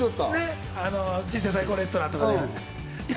『人生最高レストラン』とかで。